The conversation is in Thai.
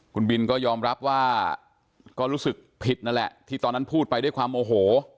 คุณบินก็ยอมรับว่าก็รู้สึกผิดนั่นแหละที่ตอนนั้นพูดไปด้วยความโอโห